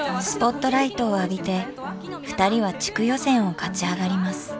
スポットライトを浴びてふたりは地区予選を勝ち上がります。